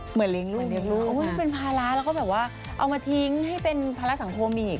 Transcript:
เลี้ยงลูกเลี้ยงลูกมันเป็นภาระแล้วก็แบบว่าเอามาทิ้งให้เป็นภาระสังคมอีก